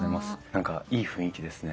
何かいい雰囲気ですね。